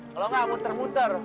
kalau nggak putar putar